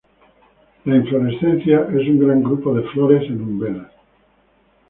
La inflorescencia es un gran grupo de flores en umbelas.